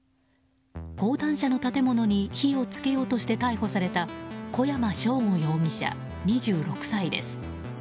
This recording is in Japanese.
講談社の建物に火を付けようとして逮捕された小山尚吾容疑者、２６歳です。